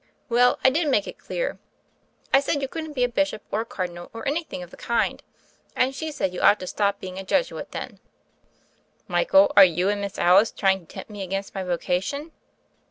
"Well, I did make it clear. I said you could n't be a Bishop or a Cardinal or anything of the kind; and she said you ought to stop being a Jesuit then." "Michael, are you and Miss Alice trying to tempt me against my vocation?"